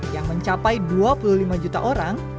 yang mencapai dua puluh lima juta orang